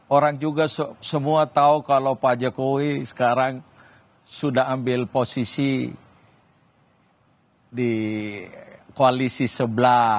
orang juga semua tahu kalau pak jokowi sekarang sudah ambil posisi di koalisi sebelah